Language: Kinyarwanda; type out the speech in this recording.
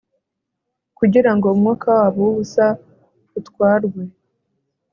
Kugirango umwuka wabo wubusa utwarwe